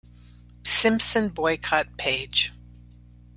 Simpson Boycott Page.